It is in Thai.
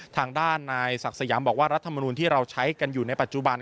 ทางด้านนายศักดิ์สยามบอกว่ารัฐมนูลที่เราใช้กันอยู่ในปัจจุบัน